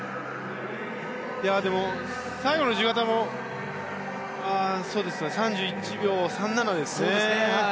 でも、最後の自由形も３１秒３７ですね。